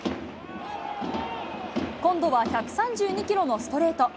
今度は１３２キロのストレート。